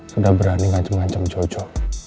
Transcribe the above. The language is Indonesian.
sudah berani ngancem ngancem jojo